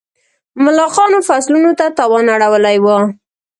ملخانو فصلونو ته تاوان اړولی و.